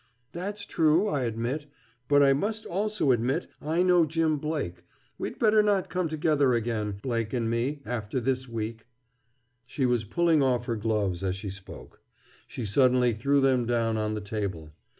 "That's true, I admit. But I must also admit I know Jim Blake. We'd better not come together again, Blake and me, after this week." She was pulling off her gloves as she spoke. She suddenly threw them down on the table.